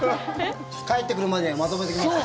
帰ってくるまでにはまとめておきます。